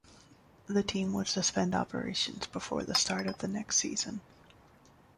The team would suspend operations before the start of the next season.